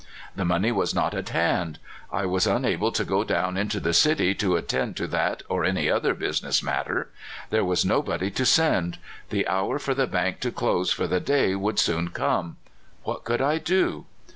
The money was not at hand; I was unable to go down into the city to attend to that or any other business matter; there was nobody to send; the hour for the bank to close for the day would soon come — what could I do?